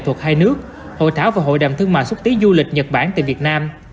văn hóa nghệ thuật hai nước hội thảo và hội đàm thương mại xúc tí du lịch nhật bản tại việt nam